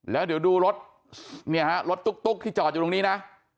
แล้วเดี๋ยวดูรถเนี่ยฮะรถตุ๊กที่จอดอยู่ตรงนี้นะ